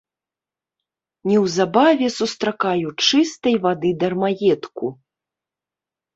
Неўзабаве сустракаю чыстай вады дармаедку!